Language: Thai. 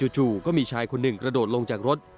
จู่ก็มีชายคนหนึ่งกระโดดลงจากรถ